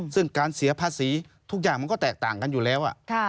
ซึ่งการเสียภาษีทุกอย่างมันก็แตกต่างกันอยู่แล้ว